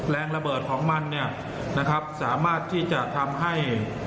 แรงระเบิดของมันเนี่ยนะครับสามารถที่จะทำให้